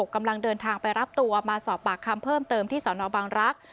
กำลังเดินทางไปรับตัวมาสอบปากคำเพิ่มเติมที่สนบังรักษ์